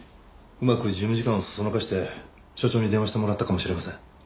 うまく事務次官を唆して所長に電話してもらったかもしれません。